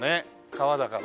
川だから。